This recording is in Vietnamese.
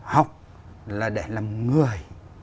học là để làm người